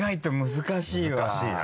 難しいな。